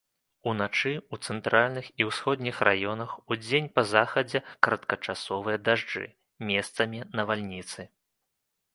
Уначы ў цэнтральных і ўсходніх раёнах, удзень па захадзе кароткачасовыя дажджы, месцамі навальніцы.